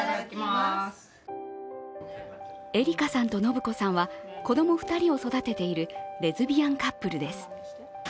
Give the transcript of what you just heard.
エリカさんと信子さんは子供２人を育てているレズビアンカップルです。